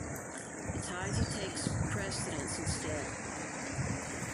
The tithi takes precedence instead.